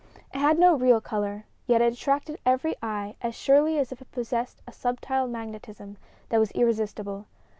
It had no real color, yet it attracted every eye as surely as if it possessed a subtile magnetism that was irresistible.